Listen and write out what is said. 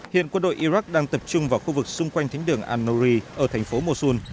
hiện quân đội iraq đang tập trung vào khu vực xung quanh thánh đường anory ở thành phố mosul